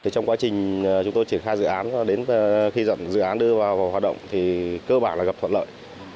trong quá trình chúng tôi triển khai dự án đến khi dự án đưa vào hoạt động thì cơ bản là gặp thuận lợi